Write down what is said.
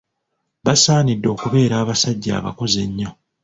Basaanidde okubeera abasajja abakozi ennyo.